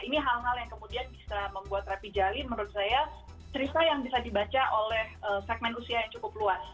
ini hal hal yang kemudian bisa membuat rapi jali menurut saya cerita yang bisa dibaca oleh segmen usia yang cukup luas